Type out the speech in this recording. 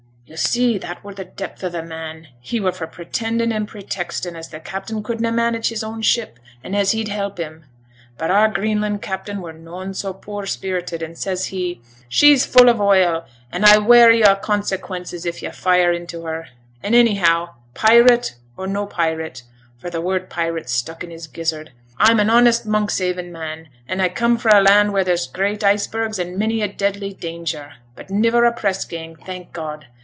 Yo' see, that were t' depth o' the man: he were for pretending and pretexting as t' captain could na manage his own ship, and as he'd help him. But our Greenland captain were noane so poor spirited, and says he, "She's full of oil, and I ware you of consequences if you fire into her. Anyhow, pirate, or no pirate" (for t' word pirate stuck in his gizzard), "I'm a honest Monkshaven man, an' I come fra' a land where there's great icebergs and many a deadly danger, but niver a press gang, thank God!